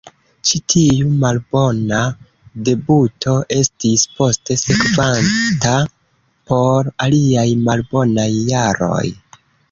Ĉi tiu malbona debuto estis poste sekvata por aliaj malbonaj jaroj.